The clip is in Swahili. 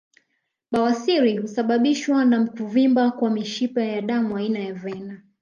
Bawasiri husababishwa na kuvimba kwa mishipa ya damu aina ya vena